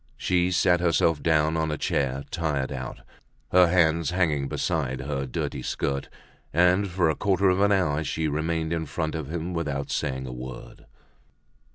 She sat herself down on a chair, tired out, her hands hanging beside her dirty skirt; and for a quarter of an hour she remained in front of him without saying a word.